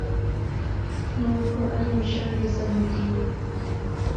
n’ubwo ari inshabizamudiho